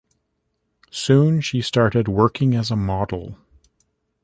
Soon she started working as a model.